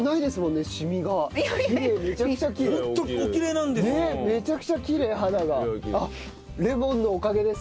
ねえめちゃくちゃきれい肌が。